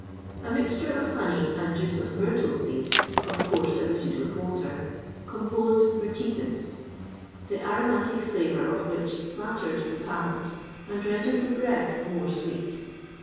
[XXVI 41] A mixture of honey and juice of myrtle seed, of course diluted with water, composed myrtites, the aromatic flavour of which flattered the palate, and rendered the breath more sweet.